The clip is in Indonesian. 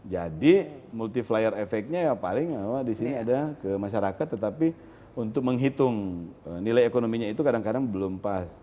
jadi multi flyer efeknya ya paling di sini ada ke masyarakat tetapi untuk menghitung nilai ekonominya itu kadang kadang belum pas